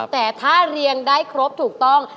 แต่ถ้าเรียงได้ครบถูกต้อง